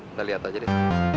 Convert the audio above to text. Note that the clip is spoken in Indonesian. kita lihat aja deh